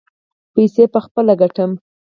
پیسې به پخپله ګټم.